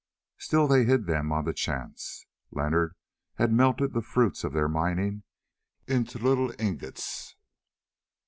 Still they hid them on the chance. Leonard had melted the fruits of their mining into little ingots.